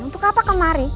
untuk apa kemari